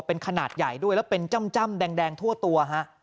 เป็นขนาดใหญ่ด้วยแล้วเป็นจ้ำแดงทั่วตัวฮะ